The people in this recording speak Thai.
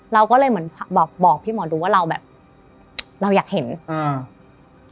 เราก็เลยเหมือนบอกบอกพี่หมอดูว่าเราแบบเราอยากเห็นอ่า